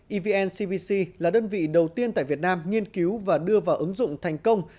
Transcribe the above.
evn cbc là đơn vị đầu tiên tại việt nam nghiên cứu và đưa vào ứng dụng thành công